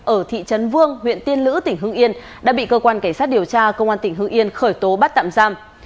ở thị trấn vương huyện tiên lữ tỉnh hương yên đã bị cơ quan cảnh sát điều tra công an tỉnh hưng yên khởi tố bắt tạm giam